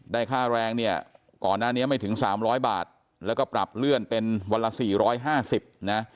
ค่าแรงเนี่ยก่อนหน้านี้ไม่ถึง๓๐๐บาทแล้วก็ปรับเลื่อนเป็นวันละ๔๕๐นะ